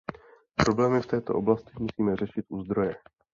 Problémy v této oblasti musíme řešit u zdroje.